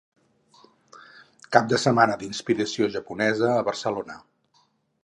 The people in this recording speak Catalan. Cap de setmana d’inspiració japonesa a Barcelona.